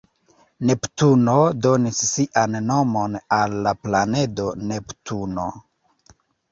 Neptuno donis sian nomon al la planedo Neptuno.